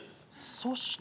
そして。